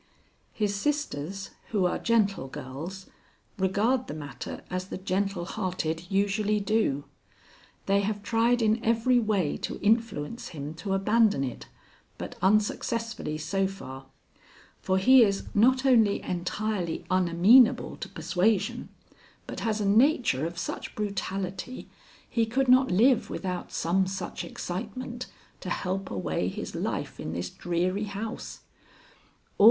"His sisters, who are gentle girls, regard the matter as the gentle hearted usually do. They have tried in every way to influence him to abandon it, but unsuccessfully so far, for he is not only entirely unamenable to persuasion, but has a nature of such brutality he could not live without some such excitement to help away his life in this dreary house.